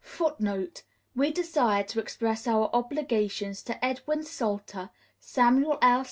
[Footnote: We desire to express our obligations to Edwin Salter, Samuel L.